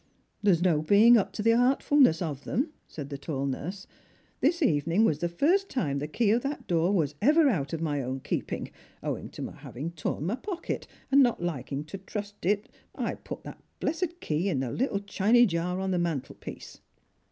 " There's no being up to the artfulness of 'em," said the tall nurse. " This evening was the first time the key of that door was ever out of my own keeping, owing to my having torn my pocket, and not liking to trust to it, I jDut that blessed key in a little chiny jar on the mantelpiece."